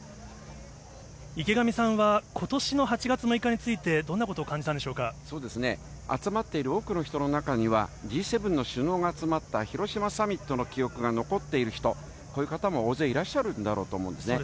池上さんは、ことしの８月６日について、どんなことを感じたんでそうですね、集まっている多くの人の中には、Ｇ７の首脳が集まった広島サミットの記憶が残っている人、こういう方も大勢いらっしゃると思うんですね。